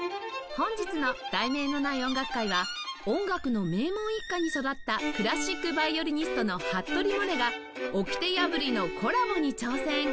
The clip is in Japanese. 本日の『題名のない音楽会』は音楽の名門一家に育ったクラシックヴァイオリニストの服部百音がおきて破りのコラボに挑戦！